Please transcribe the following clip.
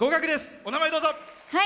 お名前をどうぞ。